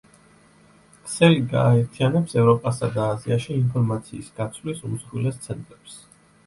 ქსელი გააერთიანებს ევროპასა და აზიაში ინფორმაციის გაცვლის უმსხვილეს ცენტრებს.